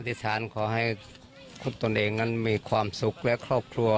อธิษฐานขอให้คุณตนเองมีความสุขและครอบครัว